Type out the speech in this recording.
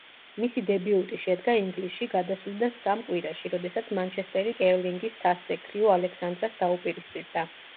მისი დებიუტი შედგა ინგლისში გადასვლიდან სამ კვირაში, როდესაც „მანჩესტერი“ კერლინგის თასზე „ქრიუ ალექსანდრას“ დაუპირისპირდა.